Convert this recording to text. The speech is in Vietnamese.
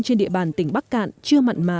trên địa bàn tỉnh bắc cạn chưa mặn mà